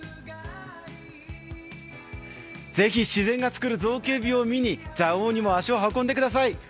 ぜひ自然が作る造形美を見に、蔵王にも足を運んでください。